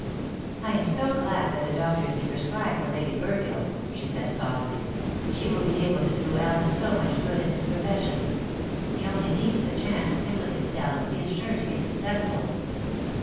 "I am so glad that the doctor is to prescribe for Lady Burville," she said softly; "she will be able to do Allen so much good in his profession. He only needs the chance, and with his talents he is sure to be successful."